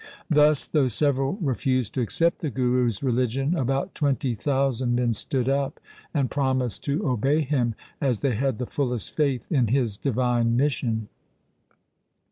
Thus, though several refused to accept the Guru's religion, about twenty thousand men stood up and promised to obey him, as they had the fullest faith in his divine mission.'